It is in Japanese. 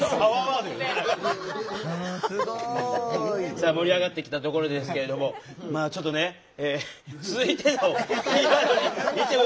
さあ盛り上がってきたところですけれどもまあちょっとね続いてのキーワードにいってもよろしいですかね。